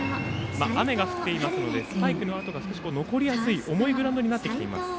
雨が降っていますのでスパイクのあとが少し残りやすい重いグラウンドになっています。